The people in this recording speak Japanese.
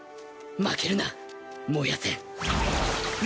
負けるな燃やせ